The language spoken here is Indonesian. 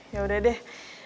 ya udah deh